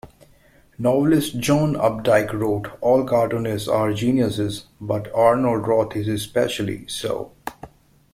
Novelist John Updike wrote, All cartoonists are geniuses, but Arnold Roth is especially so.